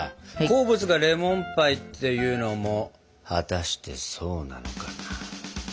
好物がレモンパイっていうのも果たしてそうなのかな？